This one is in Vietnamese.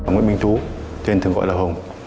nguyễn minh tú tên thường gọi là hùng